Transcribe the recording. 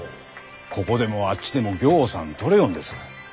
ここでもあっちでもぎょうさんとれよんです。